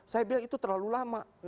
saya bilang itu terlalu lama